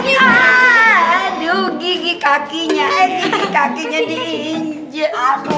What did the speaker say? aduh gigi kakinya eh gigi kakinya diinjek